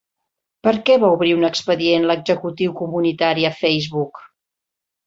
Per què va obrir un expedient l'executiu comunitari a Facebook?